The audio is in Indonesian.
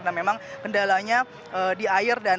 dan memang kendalanya di air dan